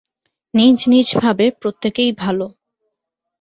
নিজ নিজ ভাবে প্রত্যেকেই ভাল।